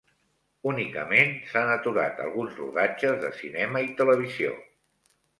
Únicament s'han aturat alguns rodatges de cinema i televisió.